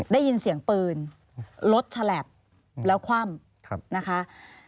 ได้ยินเสียงปืนรถฉลับแล้วคว่ำนะคะ